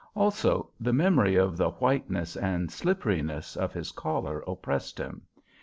Also the memory of the whiteness and slipperiness of his collar oppressed him.